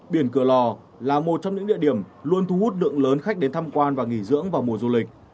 biển cửa lò là một trong những địa điểm luôn thu hút lượng lớn khách đến tham quan và nghỉ dưỡng vào mùa du lịch